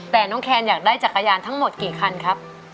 แต่น้องแคนอยากได้จักรยานทั้งหมดกี่คันครับ